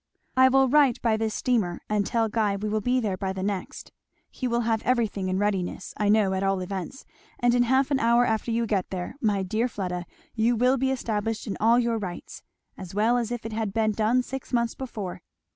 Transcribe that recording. I will write by this steamer and tell Guy we will be there by the next. He will have everything in readiness, I know, at all events; and in half an hour after you get there, my dear Fleda, you will be established in all your rights as well as if it had been done six months before.